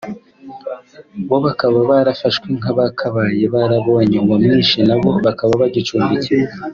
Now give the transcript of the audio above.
bo bakaba barafashwe nk’abakabaye barabonye uwamwishe na bo bakaba bagicumbikiwe